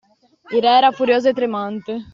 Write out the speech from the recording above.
Il re era furioso e tremante.